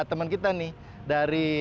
teman kita nih dari